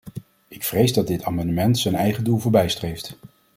Ik vrees dat dit amendement zijn eigen doel voorbijstreeft.